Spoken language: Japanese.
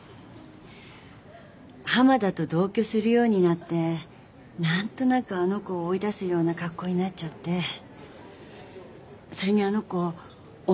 浜田と同居するようになってなんとなくあの子を追い出すような格好になっちゃってそれにあの子音